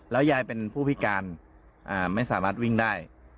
ยายเป็นผู้พิการไม่สามารถวิ่งได้